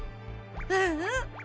ううん。